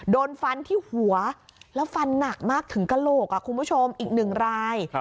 โดนฟันที่หัวแล้วฟันหนักมากถึงกระโหลกคุณผู้ชมอีกหนึ่งราย